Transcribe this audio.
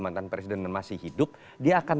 mantan presiden dan masih hidup dia akan